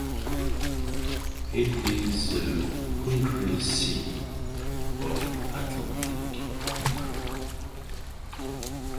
It is the county seat of Atlantic County.